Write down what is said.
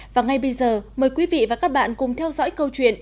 và ngay bây giờ mời quý vị và các bạn cùng theo dõi câu chuyện